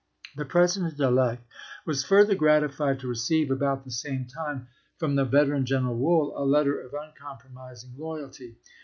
The President elect was further gratified to re ceive about the same time from the veteran Gen eral Wool a letter of uncompromising loyalty.